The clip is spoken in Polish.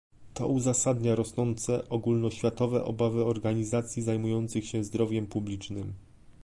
To uzasadnia rosnące ogólnoświatowe obawy organizacji zajmujących się zdrowiem publicznym